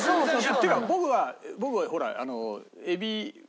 っていうか僕は僕はほら。